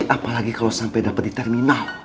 apalagi kalau sampai dapat di terminal